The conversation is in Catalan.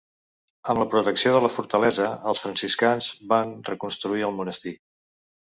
Amb la protecció de la fortalesa, els franciscans van reconstruir el monestir.